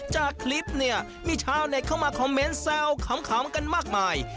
จากคลิปเนี่ยมีชาวเน็ตเข้ามาคอมเมนต์แซวขำกันมากมาย